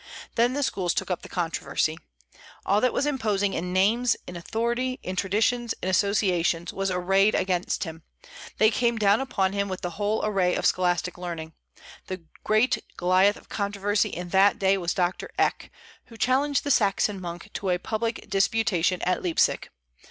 Then the schools took up the controversy. All that was imposing in names, in authority, in traditions, in associations, was arrayed against him. They came down upon him with the whole array of scholastic learning. The great Goliath of controversy in that day was Doctor Eck, who challenged the Saxon monk to a public disputation at Leipsic.